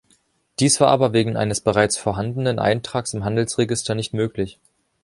Dies war aber wegen eines bereits vorhandenen Eintrags im Handelsregister nicht möglich.